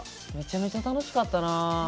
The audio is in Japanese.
めちゃめちゃ楽しかったな。